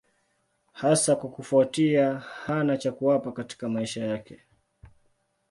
Hasa kwa kufuatia hana cha kuwapa katika maisha yake.